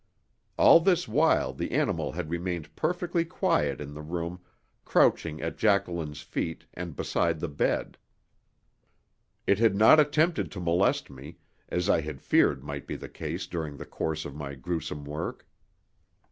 All this while the animal had remained perfectly quiet in the room crouching at Jacqueline's feet and beside the bed. It had not attempted to molest me, as I had feared might be the case during the course of my gruesome work.